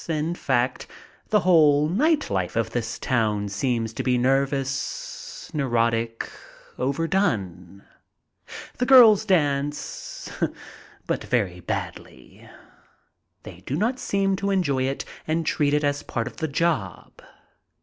In fact, the whole night life of this town seems to be nervous, neurotic, over done. The girls dance, but very badly. They do not seem to enjoy it and treat it as part of the job.